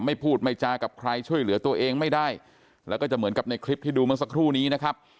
ไม่พูดไม่จากับใครช่วยเหลือตัวเองไม่ได้แล้วก็จะเหมือนกับในคลิปที่ดูเมื่อสักครู่นี้นะครับ